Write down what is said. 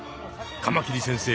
カマキリ先生